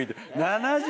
「７０！？